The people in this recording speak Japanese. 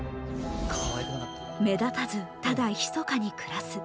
目立たずただひそかに暮らす。